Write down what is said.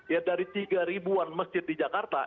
ya dari tiga ribuan masjid di jakarta